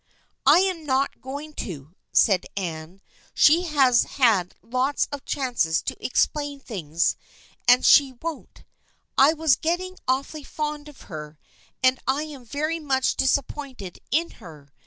" I am not going to," said Anne. " She has had lots of chances to explain things, and she won't. I was getting awfully fond of her, and I am very much disappointed in her.